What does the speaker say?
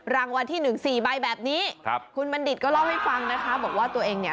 รางวัลที่หนึ่งสี่ใบแบบนี้ครับคุณบัณฑิตก็เล่าให้ฟังนะคะบอกว่าตัวเองเนี่ย